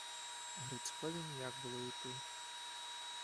Грицькові ніяк було йти.